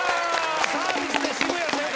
サービスで渋谷正解。